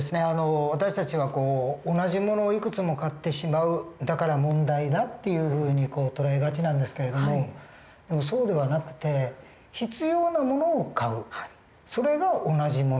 私たちは同じ物をいくつも買ってしまうだから問題だっていうふうに捉えがちなんですけれどもそうではなくて必要な物を買うそれが同じ物。